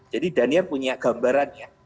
jadi daniel punya gambarannya